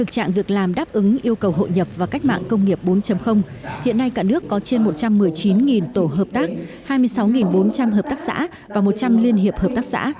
cả nước có trên một trăm một mươi chín tổ hợp tác hai mươi sáu bốn trăm linh hợp tác xã và một trăm linh liên hiệp hợp tác xã